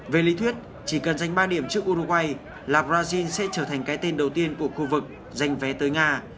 về lý thuyết chỉ cần dành ba điểm trước uruguay là brazil sẽ trở thành cái tên đầu tiên của khu vực giành vé tới nga